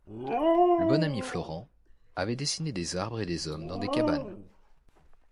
Le bon ami Florent avait dessiné des arbres et des hommes dans des cabanes.